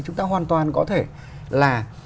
chúng ta hoàn toàn có thể là